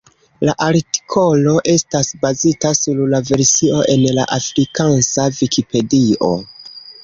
La artikolo estas bazita sur la versio en la afrikansa Vikipedio.